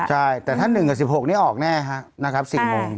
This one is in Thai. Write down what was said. ใช่แต่ถ้า๑กับ๑๖นี่ออกแน่นะครับ๔โมง